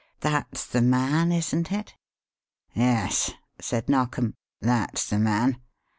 That's the man, isn't it?" "Yes," said Narkom, "that's the man.